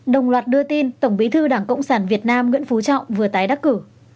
đồng loạt đưa tin tổng bí thư đảng cộng sản việt nam nguyễn phú trọng vừa tái đắc cử